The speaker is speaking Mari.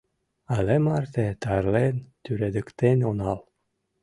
— Але марте тарлен тӱредыктен онал.